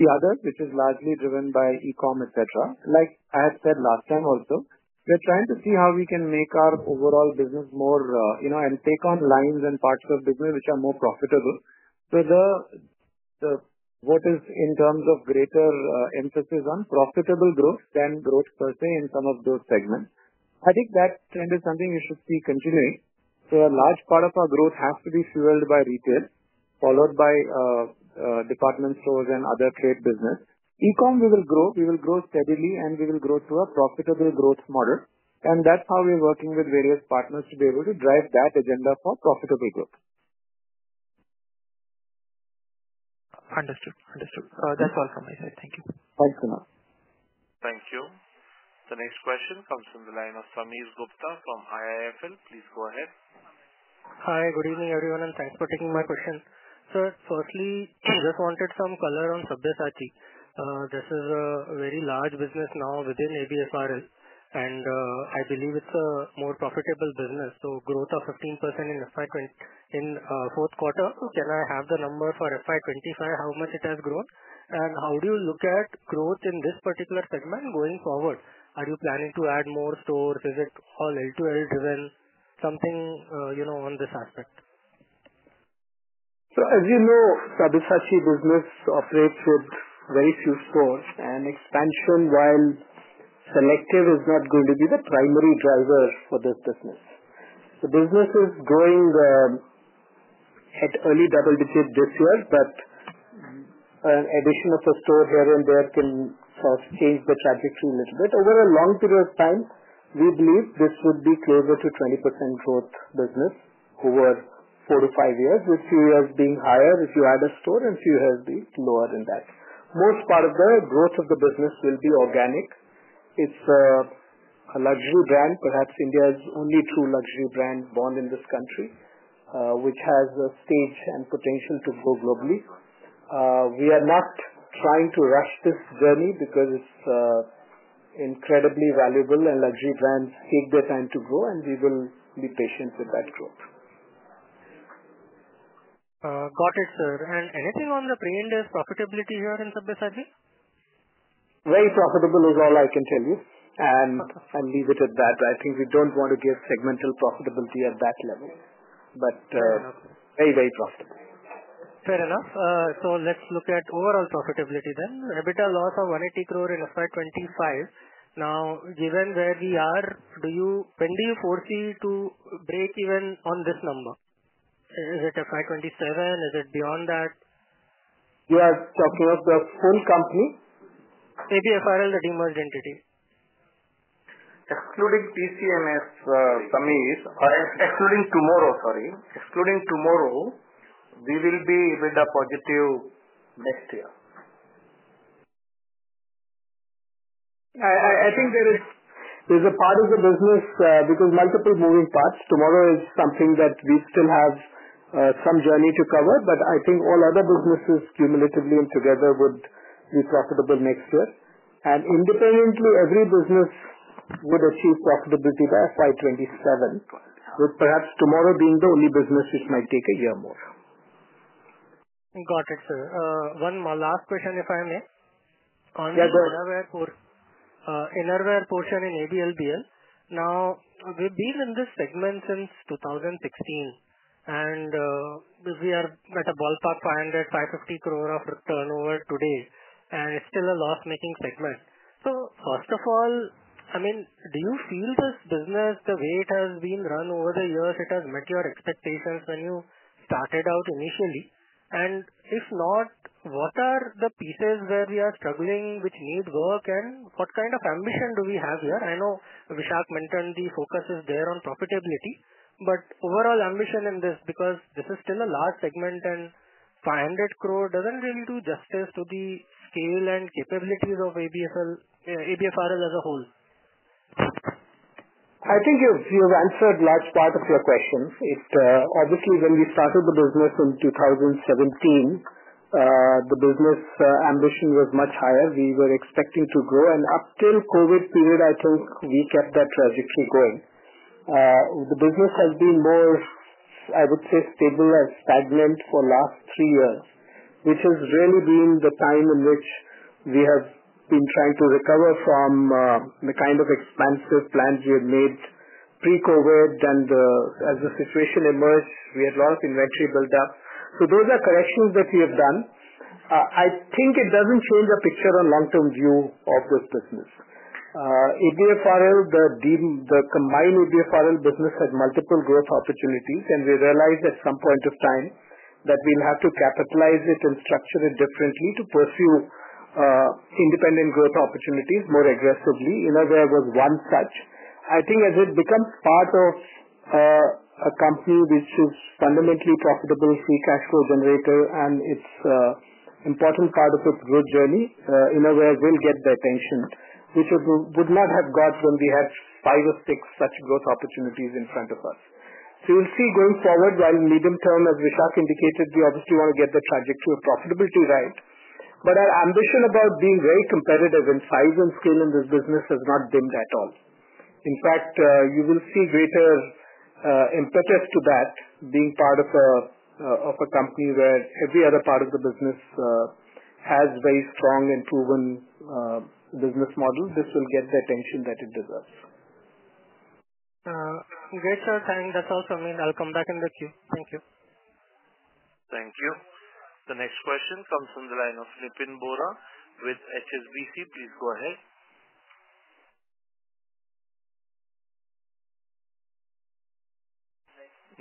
The other, which is largely driven by e-comm, etc., like I had said last time also, we're trying to see how we can make our overall business more and take on lines and parts of business which are more profitable. What is in terms of greater emphasis on profitable growth than growth per se in some of those segments. I think that trend is something you should see continuing. A large part of our growth has to be fueled by retail, followed by department stores and other trade business. E-comm, we will grow. We will grow steadily, and we will grow to a profitable growth model. That is how we're working with various partners to be able to drive that agenda for profitable growth. Understood. Understood. That's all from my side. Thank you. Thanks, Kunal. Thank you. The next question comes from the line of Sameer Gupta from IIFL. Please go ahead. Hi. Good evening, everyone, and thanks for taking my question. Sir, firstly, I just wanted some color on Sabyasachi. This is a very large business now within ABFRL. I believe it's a more profitable business. Growth of 15% in FY in fourth quarter. Can I have the number for FY2025, how much it has grown? How do you look at growth in this particular segment going forward? Are you planning to add more stores? Is it all L2L driven? Something on this aspect. As you know, Sabyasachi business operates with very few stores. Expansion, while selective, is not going to be the primary driver for this business. The business is growing at early double-digit this year, but an addition of a store here and there can sort of change the trajectory a little bit. Over a long period of time, we believe this would be closer to 20% growth business over four to five years, with few years being higher if you add a store and few years being lower than that. Most part of the growth of the business will be organic. It's a luxury brand. Perhaps India is the only true luxury brand born in this country, which has a stage and potential to go globally. We are not trying to rush this journey because it's incredibly valuable, and luxury brands take their time to grow, and we will be patient with that growth. Got it, sir. Anything on the pre-index profitability here in Sabyasachi? Very profitable is all I can tell you. I'll leave it at that. I think we don't want to give segmental profitability at that level. Very, very profitable. Fair enough. Let's look at overall profitability then. EBITDA loss of 1.8 billion in FY2025. Now, given where we are, when do you foresee to break even on this number? Is it FY2027? Is it beyond that? You are talking of the full company? ABFRL, the demerged entity. Excluding PCMS, Sameer's excluding TMRW, sorry. Excluding TMRW, we will be with a positive next year. I think there is a part of the business because multiple moving parts. TMRW is something that we still have some journey to cover. I think all other businesses cumulatively and together would be profitable next year. Independently, every business would achieve profitability by FY2027, with perhaps TMRW being the only business which might take a year more. Got it, sir. One last question, if I may. On the Innerwear portion in ABLBL. Now, we've been in this segment since 2016. And we are at a ballpark 500 crore-550 crore of turnover today. And it's still a loss-making segment. First of all, I mean, do you feel this business, the way it has been run over the years, has met your expectations when you started out initially? If not, what are the pieces where we are struggling, which need work, and what kind of ambition do we have here? I know Vishak mentioned the focus is there on profitability. Overall ambition in this, because this is still a large segment, and 500 crore doesn't really do justice to the scale and capabilities of ABFRL as a whole. I think you've answered large part of your questions. Obviously, when we started the business in 2017, the business ambition was much higher. We were expecting to grow. Up till the COVID period, I think we kept that trajectory going. The business has been more, I would say, stable and stagnant for the last three years, which has really been the time in which we have been trying to recover from the kind of expansive plans we had made pre-COVID. As the situation emerged, we had a lot of inventory built up. Those are corrections that we have done. I think it does not change the picture on the long-term view of this business. ABFRL, the combined ABFRL business, had multiple growth opportunities. We realized at some point of time that we would have to capitalize it and structure it differently to pursue independent growth opportunities more aggressively. Innerwear was one such. I think as it becomes part of a company which is fundamentally profitable, free cash flow generator, and it's an important part of its growth journey, Innerwear will get the attention, which it would not have got when we had five or six such growth opportunities in front of us. You will see going forward, while medium term, as Vishak indicated, we obviously want to get the trajectory of profitability right. Our ambition about being very competitive in size and scale in this business has not dimmed at all. In fact, you will see greater impetus to that being part of a company where every other part of the business has very strong and proven business model. This will get the attention that it deserves. Great, sir. Thank you. That's all for me. I'll come back in the queue. Thank you. Thank you. The next question comes from the line of Nipin Bhura with HSBC. Please go ahead.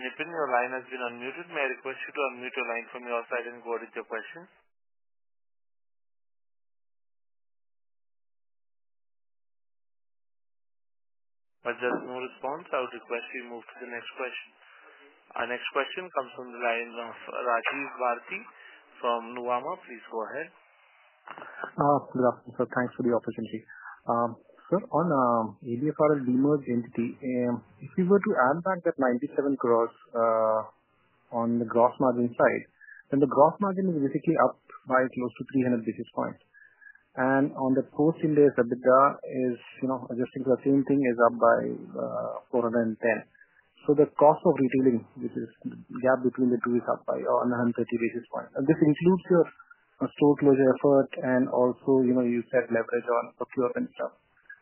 Nipin, your line has been unmuted. May I request you to unmute your line from your side and go ahead with your question? There is no response. I would request you move to the next question. Our next question comes from the line of Rajiv Bharati from Nuwama. Please go ahead. Good afternoon, sir. Thanks for the opportunity. Sir, on ABFRL demerged entity, if you were to add back that 97 crore on the gross margin side, then the gross margin is basically up by close to 300 basis points. On the post-index EBITDA, adjusting to the same thing, it is up by 410. The cost of retailing, which is the gap between the two, is up by 130 basis points. This includes your store closure effort and also you said leverage on procurement stuff.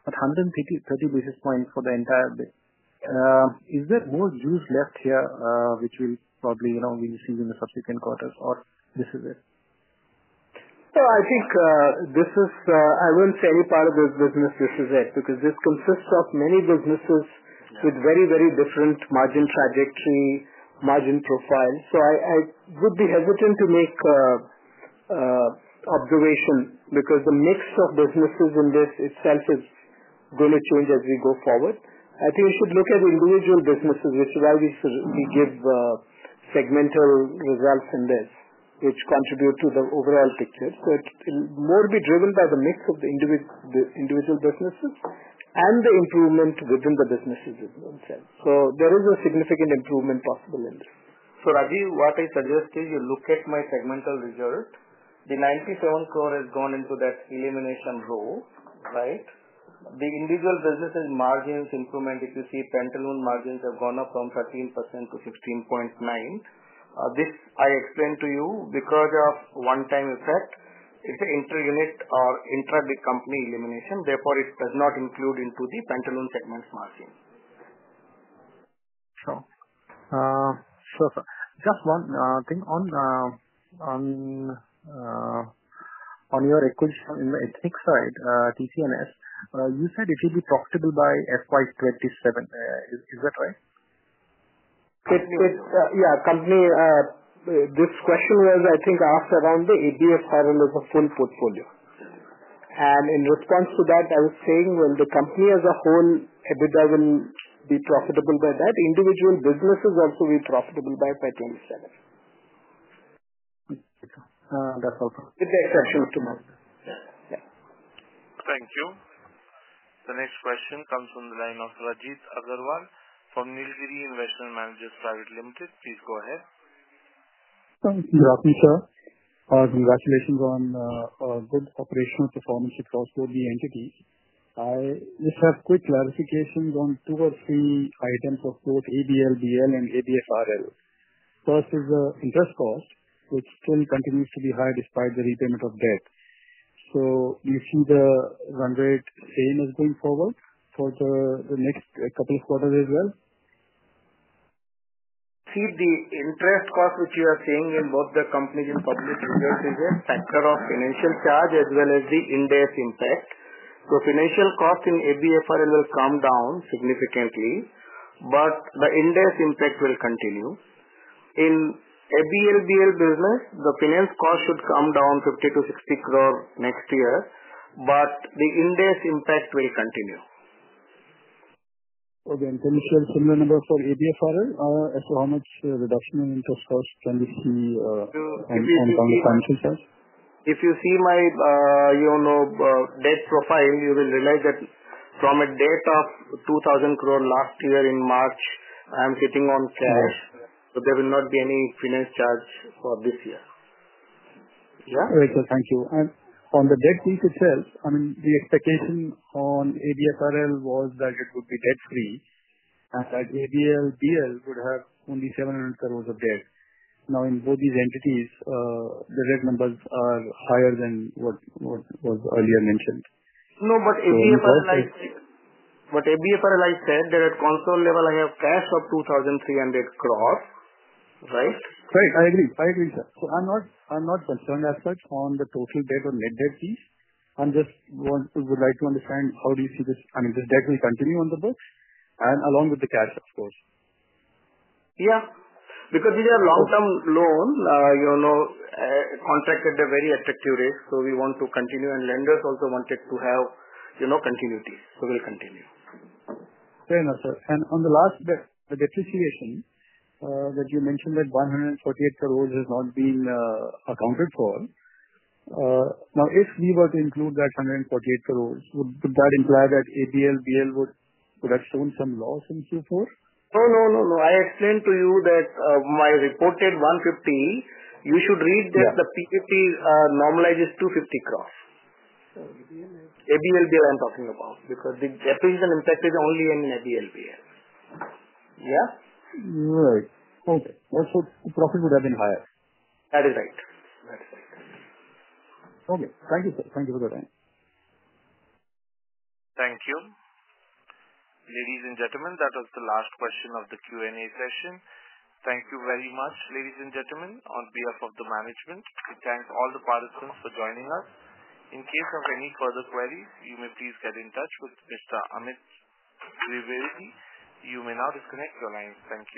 130 basis points for the entire bit. Is there more juice left here, which we will probably see in the subsequent quarters, or this is it? Sir, I think this is, I would not say any part of this business, this is it, because this consists of many businesses with very, very different margin trajectory, margin profile. I would be hesitant to make observation because the mix of businesses in this itself is going to change as we go forward. I think you should look at individual businesses, which is why we give segmental results in this, which contribute to the overall picture. It will more be driven by the mix of the individual businesses and the improvement within the businesses themselves. There is a significant improvement possible in this. Rajiv, what I suggest is you look at my segmental result. The 97 crore has gone into that elimination row, right? The individual businesses' margins improvement, if you see, Pantaloons margins have gone up from 13% to 16.9%. This, I explained to you because of one-time effect. It is an inter-unit or intra-company elimination. Therefore, it does not include into the Pantaloons segment margin. Sure. Sure, sir. Just one thing. On your acquisition in the ethnic side, TCNS, you said it will be profitable by FY2027. Is that right? Yeah. This question was, I think, asked around the ABFRL as a full portfolio. In response to that, I was saying when the company as a whole, EBITDA will be profitable by that, individual businesses also will be profitable by FY2027. That is all from me. With the exception of TMRW. Yeah. Thank you. The next question comes frjithom the line of Rajith Agarwal from Nilgiri Investment Managers Private Limited. Please go ahead. Thank you, Rajiv sir. Congratulations on good operational performance across both the entities. I just have quick clarifications on two or three items of both ABLBL and ABFRL. First is the interest cost, which still continues to be high despite the repayment of debt. Do you see the run rate same as going forward for the next couple of quarters as well? See, the interest cost, which you are seeing in both the companies' and public's results, is a factor of financial charge as well as the index impact. So financial cost in ABFRL will come down significantly, but the index impact will continue. In ABLBL business, the finance cost should come down 50-60 crore next year, but the index impact will continue. Okay. Can you share similar number for ABFRL? As to how much reduction in interest cost can we see in terms of financial charge? If you see my debt profile, you will realize that from a debt of 2,000 crore last year in March, I am sitting on cash. There will not be any finance charge for this year. Yeah. Thank you. On the debt piece itself, I mean, the expectation on ABFRL was that it would be debt-free and that ABLBL would have only 700 crore of debt. Now, in both these entities, the red numbers are higher than what was earlier mentioned. No, but ABFRL, I said that at console level, I have cash of 2,300 crore, right? Right. I agree. I agree, sir. I am not concerned as such on the total debt or net debt piece. I just would like to understand how do you see this. I mean, this debt will continue on the books and along with the cash, of course. Yeah. Because these are long-term loans, contracted at a very attractive rate. We want to continue, and lenders also wanted to have continuity. We will continue. Fair enough, sir. On the last bit of the depreciation that you mentioned, that 148 crore has not been accounted for. Now, if we were to include that 148 crore, would that imply that ABLBL would have shown some loss in Q4? No, no, no, no. I explained to you that my reported INR 150 crore, you should read that the P50 normalizes 250 crore. ABLBL I am talking about because the depreciation impact is only in ABLBL. Yeah? Right. Okay. Also, profit would have been higher. That is right. That is right. Okay. Thank you, sir. Thank you for the time. Thank you. Ladies and gentlemen, that was the last question of the Q&A session. Thank you very much, ladies and gentlemen, on behalf of the management. We thank all the participants for joining us. In case of any further queries, you may please get in touch with Mr. Amit Triveridhi. You may now disconnect your line. Thank you.